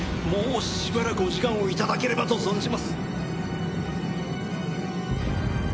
もうしばらくお時間をいただければと存じます。